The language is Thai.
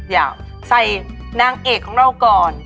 อยากใส่นางเอกของเราก่อน